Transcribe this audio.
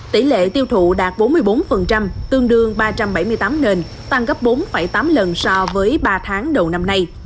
tỷ lệ tiêu thụ đạt bốn mươi bốn tương đương ba trăm bảy mươi tám nền tăng gấp bốn tám lần so với ba tháng đầu năm nay